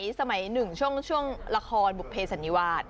สมัยหนึ่งช่วงละครบุภเพสันนิวาส